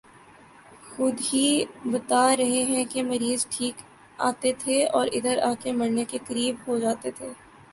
خود ہی بتا رہے ہیں کہ مریض ٹھیک آتے تھے اور ادھر آ کہ مرنے کے قریب ہو جاتے تھے